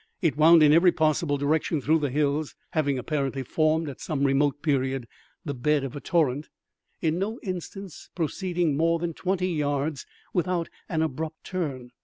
It wound in every possible direction through the hills (having apparently formed, at some remote period, the bed of a torrent), in no instance proceeding more than twenty yards without an abrupt turn.